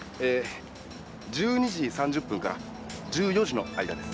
１２時３０分から１４時の間です。